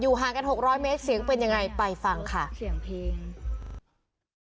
อุ้ยอยู่ห่างกันกัน๖๐๐เมตร